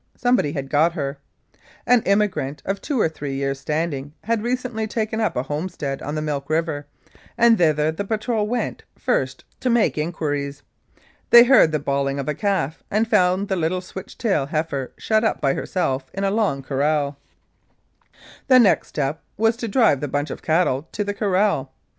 Somebody had got her. An immigrant of two or three years 1 standing had recently taken up a homestead on the Milk River, and thither the patrol went first to make in quiries. They heard the bawling of a calf, and found the little switch tailed heifer shut up by herself in a log corral. The next step was to drive the bunch *of cattle to the corral.